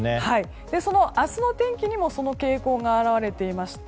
明日の天気にもその傾向が表れています。